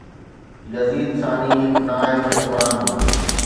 يزيد ثاني هڪ نااهل حڪمران هو